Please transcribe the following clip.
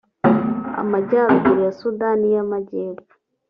Amajyaruguru ya Sudani y’Amajyepfo